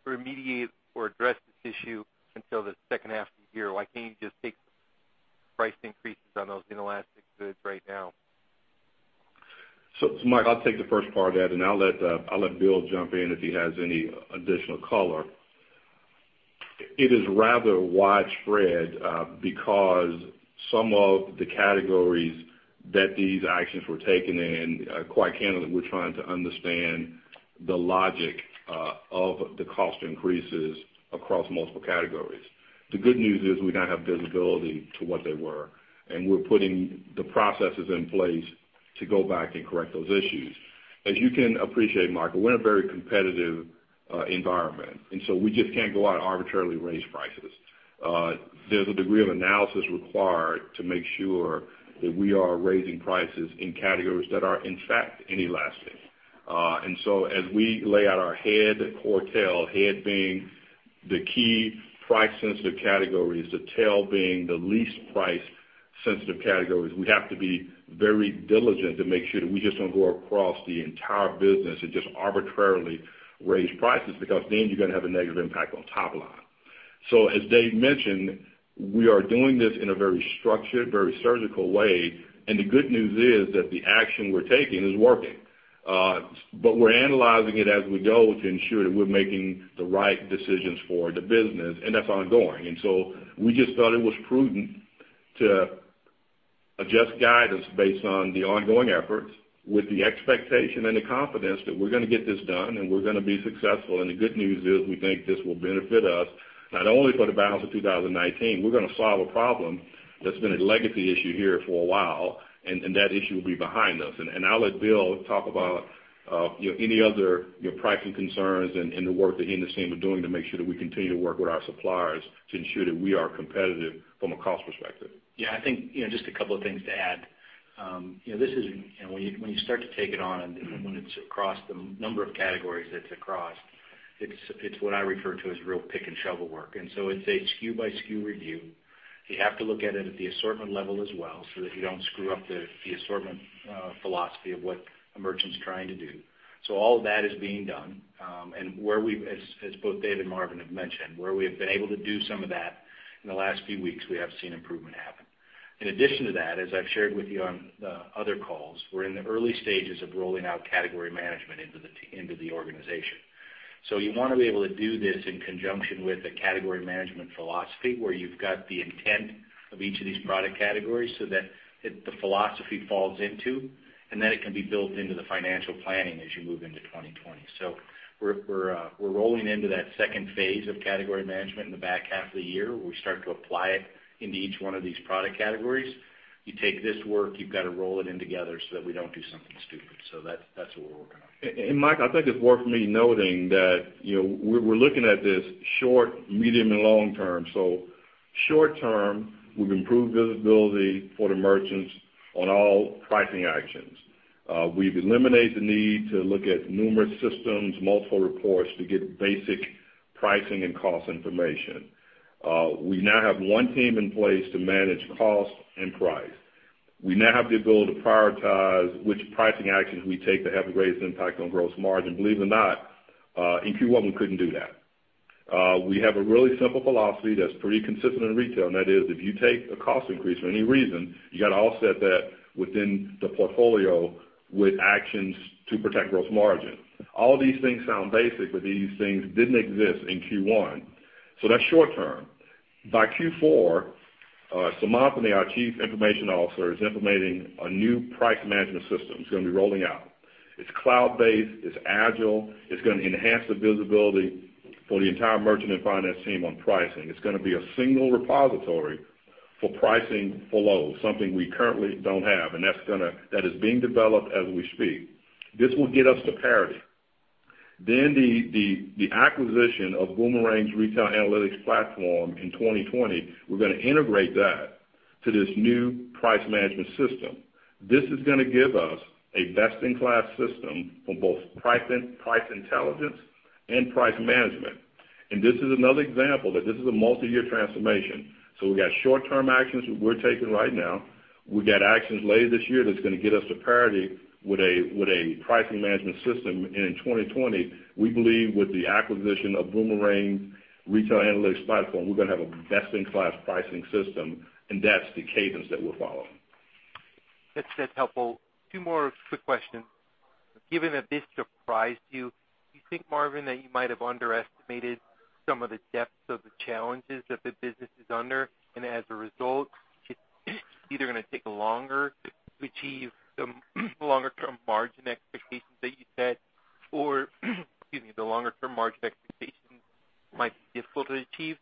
remediate or address this issue until the second half of the year? Why can't you just take price increases on those inelastic goods right now? Mike, I'll take the first part of that, and I'll let Bill jump in if he has any additional color. It is rather widespread because some of the categories that these actions were taken in, quite candidly, we're trying to understand the logic of the cost increases across multiple categories. The good news is we now have visibility to what they were, and we're putting the processes in place to go back and correct those issues. As you can appreciate, Michael, we're in a very competitive environment. We just can't go out and arbitrarily raise prices. There's a degree of analysis required to make sure that we are raising prices in categories that are in fact inelastic. As we lay out our head or tail, head being the key price-sensitive categories, the tail being the least price-sensitive categories, we have to be very diligent to make sure that we just don't go across the entire business and just arbitrarily raise prices because then you're going to have a negative impact on top line. As Dave mentioned, we are doing this in a very structured, very surgical way, and the good news is that the action we're taking is working. We're analyzing it as we go to ensure that we're making the right decisions for the business, and that's ongoing. We just thought it was prudent to adjust guidance based on the ongoing efforts with the expectation and the confidence that we're going to get this done and we're going to be successful. The good news is we think this will benefit us not only for the balance of 2019, we're going to solve a problem that's been a legacy issue here for a while, and that issue will be behind us. I'll let Bill talk about any other pricing concerns and the work that he and his team are doing to make sure that we continue to work with our suppliers to ensure that we are competitive from a cost perspective. Yeah, I think, just a couple of things to add. When you start to take it on and when it's across the number of categories that it's across, it's what I refer to as real pick and shovel work. It's a SKU by SKU review. You have to look at it at the assortment level as well so that you don't screw up the assortment philosophy of what a merchant's trying to do. All of that is being done. Where we've, as both Dave and Marvin have mentioned, where we have been able to do some of that in the last few weeks, we have seen improvement happen. In addition to that, as I've shared with you on the other calls, we're in the early stages of rolling out category management into the organization. You want to be able to do this in conjunction with a category management philosophy, where you've got the intent of each of these product categories so that the philosophy falls into, and then it can be built into the financial planning as you move into 2020. We're rolling into that second phase of category management in the back half of the year, where we start to apply it into each one of these product categories. You take this work, you've got to roll it in together so that we don't do something stupid. That's what we're working on. Mike, I think it's worth me noting that we're looking at this short, medium, and long term. Short term, we've improved visibility for the merchants on all pricing actions. We've eliminated the need to look at numerous systems, multiple reports to get basic pricing and cost information. We now have one team in place to manage cost and price. We now have the ability to prioritize which pricing actions we take that have the greatest impact on gross margin. Believe it or not, in Q1, we couldn't do that. We have a really simple philosophy that's pretty consistent in retail, and that is if you take a cost increase for any reason, you got to offset that within the portfolio with actions to protect gross margin. All these things sound basic, but these things didn't exist in Q1. That's short term. By Q4, Seemantini, our Chief Information Officer, is implementing a new price management system. It's going to be rolling out. It's cloud-based, it's agile, it's going to enhance the visibility for the entire merchant and finance team on pricing. It's going to be a single repository for pricing for Lowe's, something we currently don't have. That is being developed as we speak. This will get us to parity. The acquisition of Boomerang's retail analytics platform in 2020, we're going to integrate that to this new price management system. This is going to give us a best-in-class system for both price intelligence and price management. This is another example that this is a multi-year transformation. We got short-term actions we're taking right now. We got actions later this year that's going to get us to parity with a pricing management system. In 2020, we believe with the acquisition of Boomerang retail analytics platform, we're going to have a best-in-class pricing system, that's the cadence that we're following. That's helpful. Two more quick questions. Given that this surprised you, do you think, Marvin, that you might have underestimated some of the depths of the challenges that the business is under? As a result, it's either going to take longer to achieve the longer-term margin expectations that you set, or, excuse me, the longer-term margin expectations might be difficult to achieve.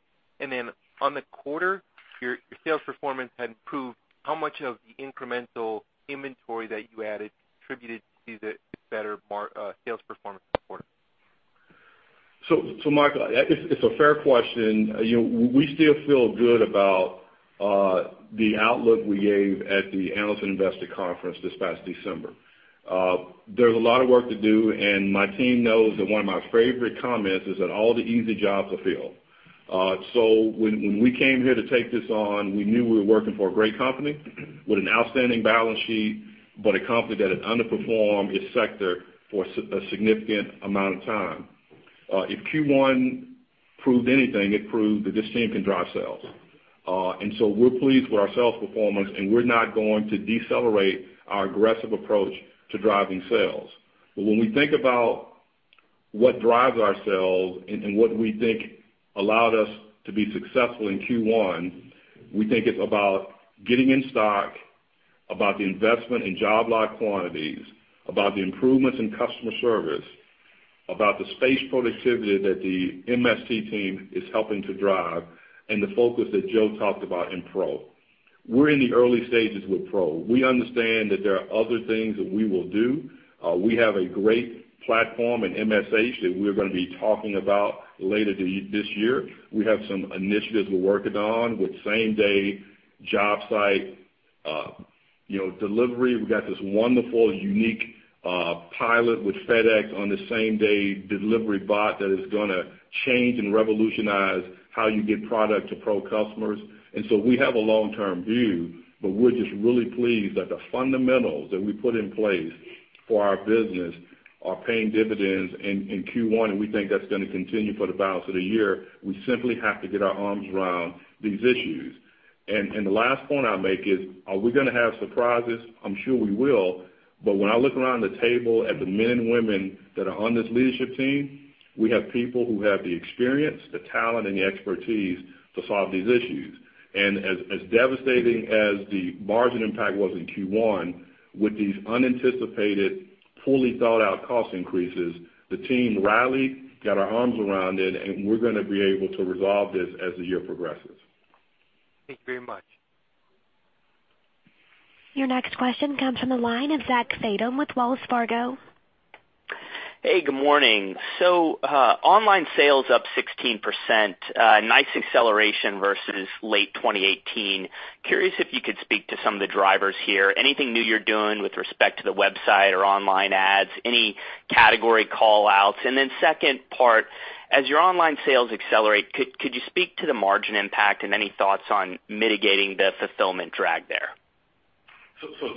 On the quarter, your sales performance had improved. How much of the incremental inventory that you added contributed to the better sales performance this quarter? Michael, it's a fair question. We still feel good about the outlook we gave at the Analyst and Investor Conference this past December. There's a lot of work to do, my team knows that one of my favorite comments is that all the easy jobs are filled. When we came here to take this on, we knew we were working for a great company with an outstanding balance sheet, a company that had underperformed its sector for a significant amount of time. If Q1 proved anything, it proved that this team can drive sales. We're pleased with our sales performance, we're not going to decelerate our aggressive approach to driving sales. When we think about what drives our sales and what we think allowed us to be successful in Q1, we think it's about getting in stock, about the investment in Job Lot quantities, about the improvements in customer service, about the space productivity that the MST team is helping to drive, and the focus that Joe talked about in pro. We're in the early stages with pro. We understand that there are other things that we will do. We have a great platform in MSH that we're going to be talking about later this year. We have some initiatives we're working on with same-day job site delivery. We got this wonderful, unique pilot with FedEx on the same-day delivery bot that is going to change and revolutionize how you get product to pro customers. We have a long-term view, but we're just really pleased that the fundamentals that we put in place for our business are paying dividends in Q1, and we think that's going to continue for the balance of the year. We simply have to get our arms around these issues. The last point I'll make is, are we going to have surprises? I'm sure we will. When I look around the table at the men and women that are on this leadership team. We have people who have the experience, the talent, and the expertise to solve these issues. As devastating as the margin impact was in Q1 with these unanticipated, poorly thought-out cost increases, the team rallied, got our arms around it, and we're going to be able to resolve this as the year progresses. Thank you very much. Your next question comes from the line of Zachary Fadem with Wells Fargo. Hey, good morning. Online sales up 16%, a nice acceleration versus late 2018. Curious if you could speak to some of the drivers here. Anything new you're doing with respect to the website or online ads? Any category call-outs? Second part, as your online sales accelerate, could you speak to the margin impact and any thoughts on mitigating the fulfillment drag there?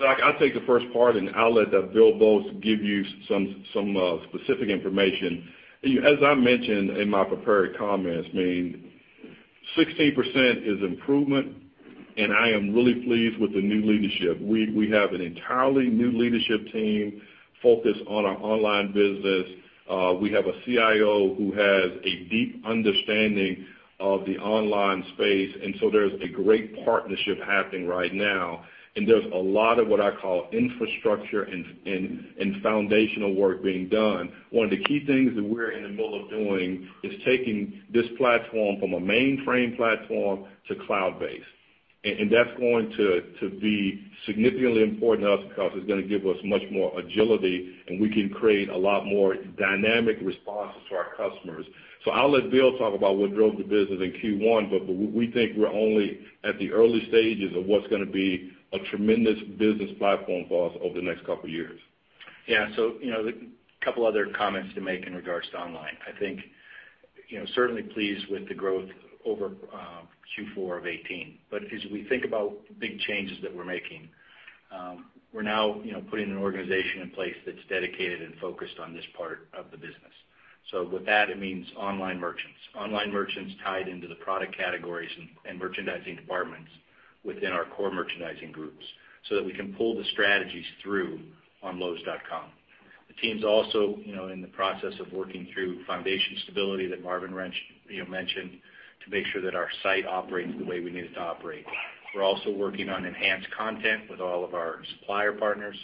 Zach, I'll take the first part, and I'll let Bill Boltz give you some specific information. As I mentioned in my prepared comments, 16% is improvement, and I am really pleased with the new leadership. We have an entirely new leadership team focused on our online business. We have a CIO who has a deep understanding of the online space, there's a great partnership happening right now. There's a lot of what I call infrastructure and foundational work being done. One of the key things that we're in the middle of doing is taking this platform from a mainframe platform to cloud-based. That's going to be significantly important to us because it's going to give us much more agility, and we can create a lot more dynamic responses to our customers. I'll let Bill talk about what drove the business in Q1, we think we're only at the early stages of what's going to be a tremendous business platform for us over the next couple of years. Yeah. A couple of other comments to make in regards to online. I think, certainly pleased with the growth over Q4 of 2018. As we think about big changes that we're making, we're now putting an organization in place that's dedicated and focused on this part of the business. With that, it means online merchants. Online merchants tied into the product categories and merchandising departments within our core merchandising groups so that we can pull the strategies through on lowes.com. The team's also in the process of working through foundation stability that Marvin mentioned, to make sure that our site operates the way we need it to operate. We're also working on enhanced content with all of our supplier partners,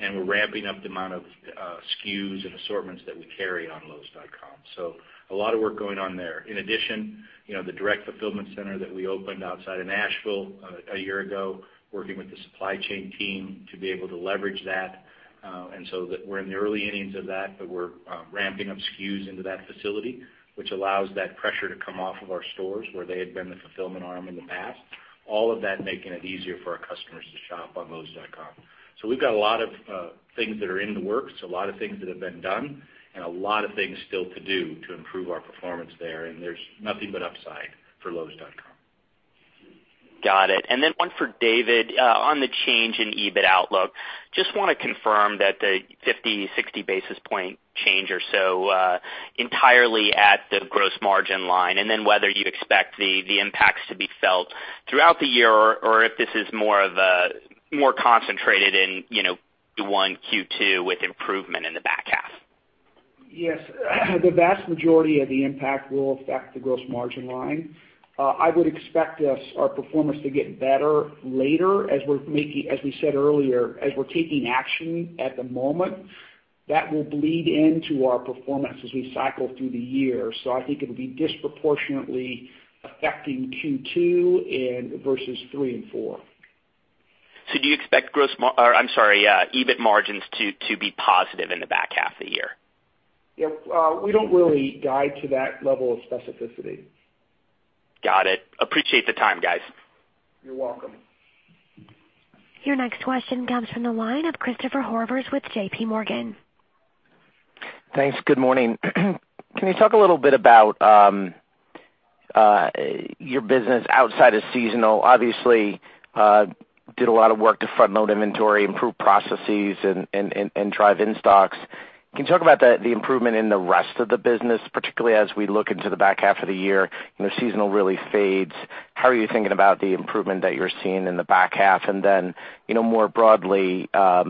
and we're ramping up the amount of SKUs and assortments that we carry on lowes.com. A lot of work going on there. In addition, the direct fulfillment center that we opened outside of Nashville a year ago, working with the supply chain team to be able to leverage that. That we're in the early innings of that, but we're ramping up SKUs into that facility, which allows that pressure to come off of our stores where they had been the fulfillment arm in the past. All of that making it easier for our customers to shop on lowes.com. We've got a lot of things that are in the works, a lot of things that have been done, and a lot of things still to do to improve our performance there. There's nothing but upside for lowes.com. Got it. Then one for David, on the change in EBIT outlook. Just want to confirm that the 50, 60 basis point change or so, entirely at the gross margin line, and then whether you'd expect the impacts to be felt throughout the year or if this is more concentrated in Q1, Q2 with improvement in the back half. Yes. The vast majority of the impact will affect the gross margin line. I would expect our performance to get better later, as we said earlier, as we're taking action at the moment. That will bleed into our performance as we cycle through the year. I think it'll be disproportionately affecting Q2 versus three and four. Do you expect EBIT margins to be positive in the back half of the year? Yeah. We don't really guide to that level of specificity. Got it. Appreciate the time, guys. You're welcome. Your next question comes from the line of Christopher Horvers with JPMorgan. Thanks. Good morning. Can you talk a little bit about your business outside of seasonal? Obviously, did a lot of work to front-load inventory, improve processes, and drive in stocks. Can you talk about the improvement in the rest of the business, particularly as we look into the back half of the year and the seasonal really fades? How are you thinking about the improvement that you're seeing in the back half? More broadly, tough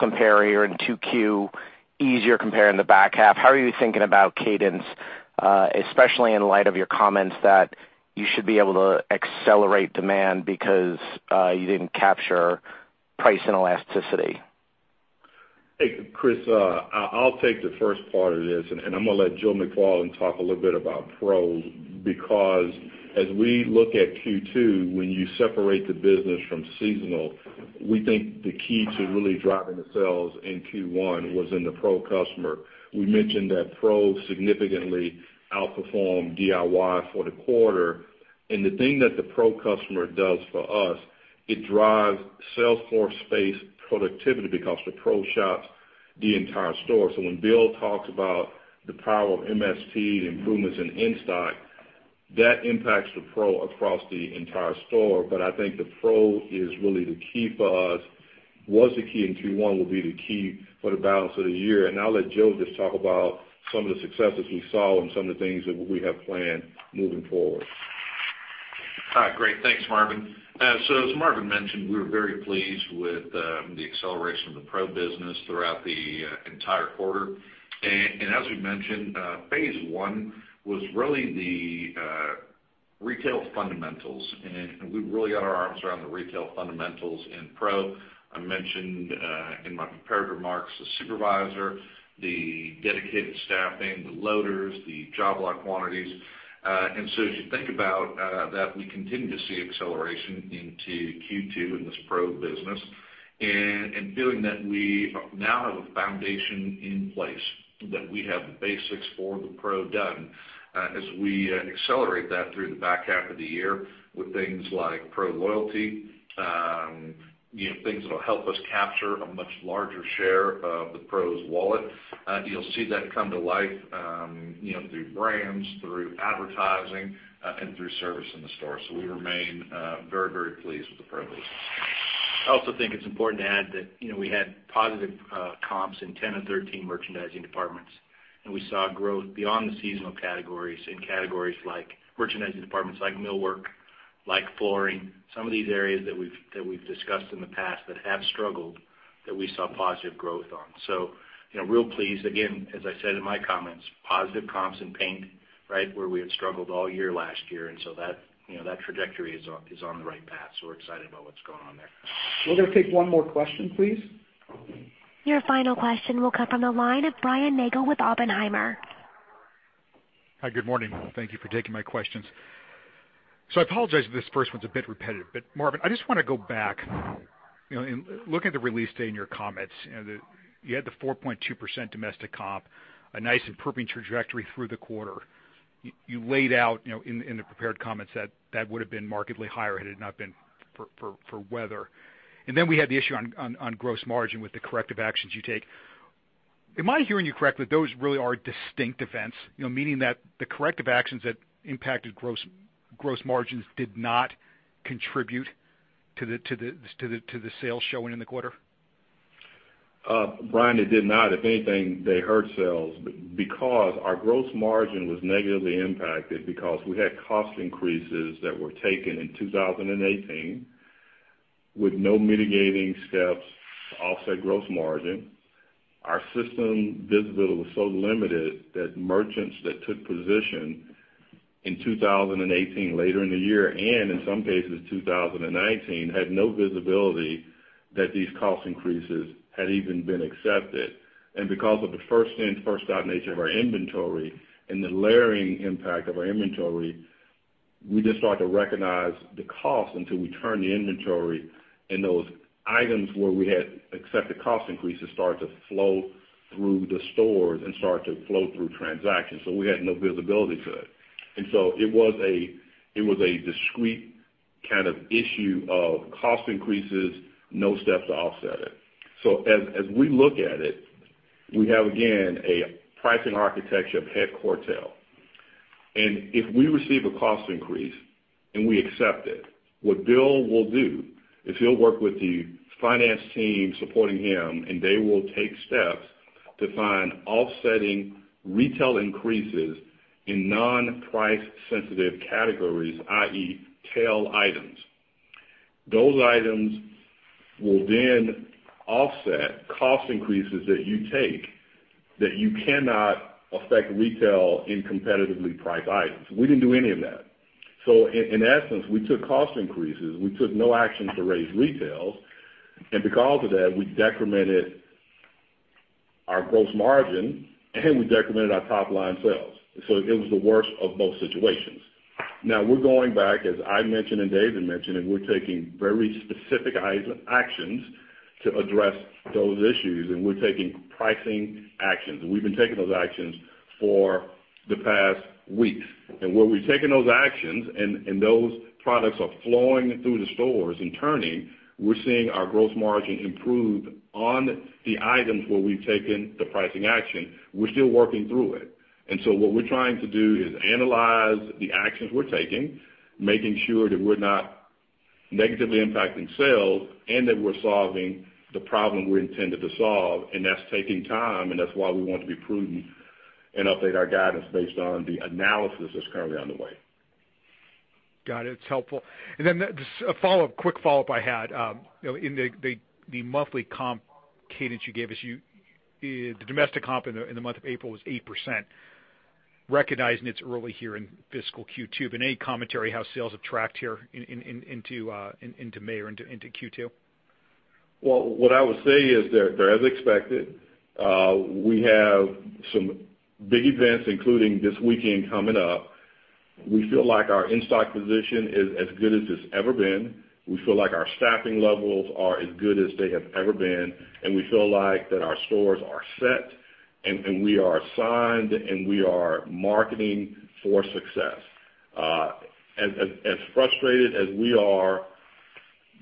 compare here in 2Q, easier compare in the back half. How are you thinking about cadence, especially in light of your comments that you should be able to accelerate demand because you didn't capture price and elasticity? Hey, Chris, I'll take the first part of this, I'm going to let Joe McFarland talk a little bit about Pro because as we look at Q2, when you separate the business from seasonal, we think the key to really driving the sales in Q1 was in the Pro customer. We mentioned that Pro significantly outperformed DIY for the quarter. The thing that the Pro customer does for us, it drives sales force space productivity because the Pro shops the entire store. When Bill talks about the power of MST, the improvements in in-stock, that impacts the Pro across the entire store. I think the Pro is really the key for us, was the key in Q1, will be the key for the balance of the year. I'll let Joe just talk about some of the successes we saw and some of the things that we have planned moving forward. Hi. Great. Thanks, Marvin. As Marvin mentioned, we were very pleased with the acceleration of the Pro business throughout the entire quarter. As we mentioned, phase 1 was really the retail fundamentals, and we really got our arms around the retail fundamentals in Pro. I mentioned, in my prepared remarks, the supervisor, the dedicated staffing, the loaders, the Job Lot quantities. As you think about that, we continue to see acceleration into Q2 in this Pro business. Feeling that we now have a foundation in place, that we have the basics for the Pro done. As we accelerate that through the back half of the year with things like Pro loyalty, things that'll help us capture a much larger share of the Pro's wallet. You'll see that come to life through brands, through advertising, and through service in the store. We remain very pleased with the Pro business. I also think it's important to add that we had positive comps in 10 of 13 merchandising departments, and we saw growth beyond the seasonal categories in merchandising departments like millwork, like flooring. Some of these areas that we've discussed in the past that have struggled, that we saw positive growth on. Real pleased. Again, as I said in my comments, positive comps in paint where we had struggled all year last year, that trajectory is on the right path. We're excited about what's going on there. We're going to take one more question, please. Your final question will come from the line of Brian Nagel with Oppenheimer. Hi. Good morning. Thank you for taking my questions. I apologize if this first one's a bit repetitive, Marvin, I just want to go back. In looking at the release today and your comments, you had the 4.2% domestic comp, a nice improving trajectory through the quarter. You laid out in the prepared comments that that would've been markedly higher had it not been for weather. Then we had the issue on gross margin with the corrective actions you take. Am I hearing you correctly? Those really are distinct events, meaning that the corrective actions that impacted gross margins did not contribute to the sales showing in the quarter? Brian, it did not. If anything, they hurt sales because our gross margin was negatively impacted because we had cost increases that were taken in 2018 with no mitigating steps to offset gross margin. Our system visibility was so limited that merchants that took position in 2018, later in the year, and in some cases 2019, had no visibility that these cost increases had even been accepted. Because of the first in, first out nature of our inventory and the layering impact of our inventory, we just started to recognize the cost until we turned the inventory and those items where we had accepted cost increases start to flow through the stores and start to flow through transactions. We had no visibility to it. It was a discrete kind of issue of cost increases, no steps to offset it. As we look at it, we have, again, a pricing architecture of head and tail. If we receive a cost increase and we accept it, what Bill will do is he'll work with the finance team supporting him, and they will take steps to find offsetting retail increases in non-price sensitive categories, i.e. tail items. Those items will then offset cost increases that you take that you cannot affect retail in competitively priced items. We didn't do any of that. In essence, we took cost increases. We took no action to raise retail. Because of that, we decremented our gross margin and we decremented our top-line sales. It was the worst of both situations. Now we're going back, as I mentioned and David mentioned, and we're taking very specific actions to address those issues, and we're taking pricing actions. We've been taking those actions for the past weeks. Where we've taken those actions and those products are flowing through the stores and turning, we're seeing our gross margin improve on the items where we've taken the pricing action. We're still working through it. What we're trying to do is analyze the actions we're taking, making sure that we're not negatively impacting sales and that we're solving the problem we intended to solve, and that's taking time and that's why we want to be prudent and update our guidance based on the analysis that's currently underway. Got it. It's helpful. Just a quick follow-up I had. In the monthly comp cadence you gave us, the domestic comp in the month of April was 8%. Recognizing it's early here in fiscal Q2, but any commentary how sales have tracked here into May or into Q2? Well, what I would say is they're as expected. We have some big events, including this weekend coming up. We feel like our in-stock position is as good as it's ever been. We feel like our staffing levels are as good as they have ever been, and we feel like that our stores are set and we are assigned, and we are marketing for success. As frustrated as we are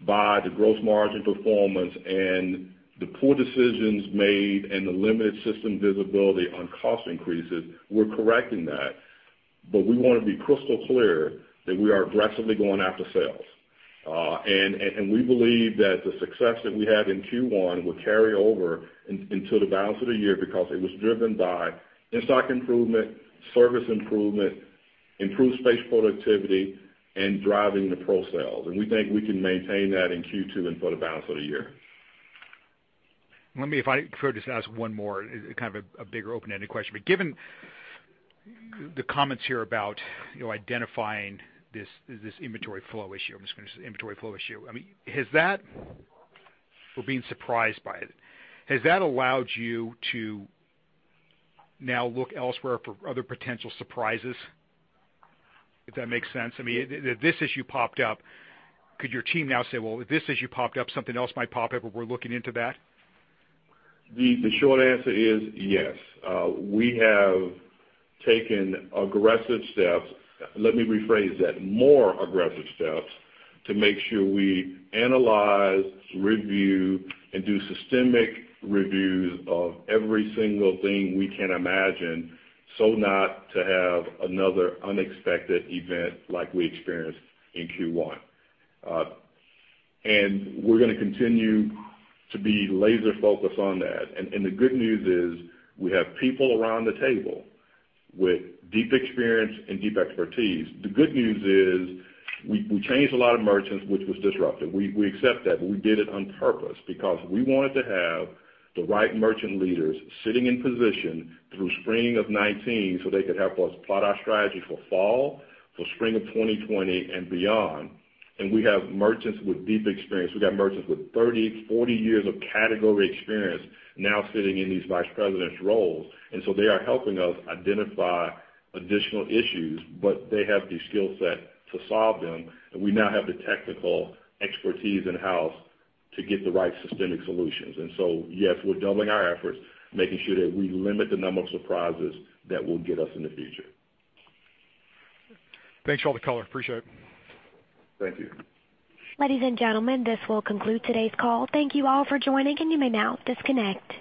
by the gross margin performance and the poor decisions made and the limited system visibility on cost increases, we're correcting that. We want to be crystal clear that we are aggressively going after sales. We believe that the success that we had in Q1 will carry over until the balance of the year because it was driven by in-stock improvement, service improvement, improved space productivity, and driving the pro sales. We think we can maintain that in Q2 and for the balance of the year. Let me, if I could just ask one more, kind of a bigger open-ended question. Given the comments here about identifying this inventory flow issue, I'm just going to say inventory flow issue. I mean, We're being surprised by it. Has that allowed you to now look elsewhere for other potential surprises? If that makes sense. I mean, this issue popped up. Could your team now say, "Well, this issue popped up, something else might pop up, but we're looking into that? The short answer is yes. We have taken aggressive steps. Let me rephrase that. More aggressive steps to make sure we analyze, review, and do systemic reviews of every single thing we can imagine, so not to have another unexpected event like we experienced in Q1. We're going to continue to be laser focused on that. The good news is we have people around the table with deep experience and deep expertise. The good news is we changed a lot of merchants, which was disruptive. We accept that, but we did it on purpose because we wanted to have the right merchant leaders sitting in position through spring of 2019 so they could help us plot our strategy for fall, for spring of 2020, and beyond. We have merchants with deep experience. We got merchants with 30, 40 years of category experience now sitting in these vice president roles. They are helping us identify additional issues, but they have the skill set to solve them. We now have the technical expertise in-house to get the right systemic solutions. Yes, we're doubling our efforts, making sure that we limit the number of surprises that will get us in the future. Thanks for all the color. Appreciate it. Thank you. Ladies and gentlemen, this will conclude today's call. Thank you all for joining, you may now disconnect.